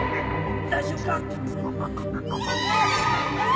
大丈夫か！？